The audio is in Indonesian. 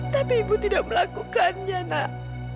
tapi ibu tidak melakukannya nak